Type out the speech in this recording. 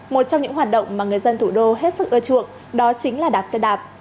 một trong những hoạt động mà người dân thủ đô hết sức ưa chuộng đó chính là đạp xe đạp